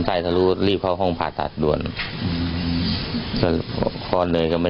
ใช่ค้าแม่ค่ะ